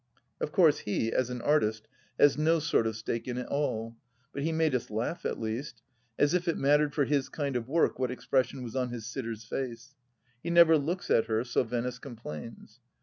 Of course he, as an artist, has no sort of stake in it all. But he made us laugh at least 1 As if it mattered for his kind of work what expression was on his sitter's face ! He never looks at her, so Venice complains.